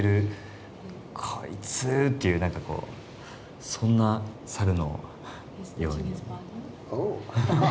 「こいつ！」っていうなんかこうそんな猿のように。